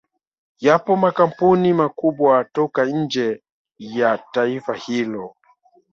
Yapo makampuni makubwa kutoka nje ya taifa hilo